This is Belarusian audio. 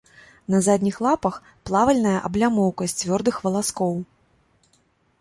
На задніх лапах плавальная аблямоўка з цвёрдых валаскоў.